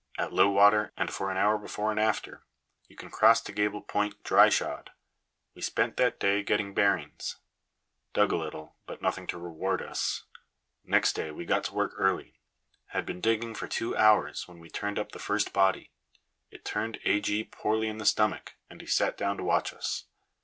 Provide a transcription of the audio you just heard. At low water, and for an hour before and after, you can cross to Gable point dry shod. We spent that day getting bearings; dug a little, but nothing to reward us. Next day we got to work early. Had been digging for two hours, when we turned up the first body. It turned A. G. poorly in the stomach, and he sat down to watch us.